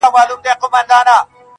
وخته راسه مرور ستوري پخلا کړو,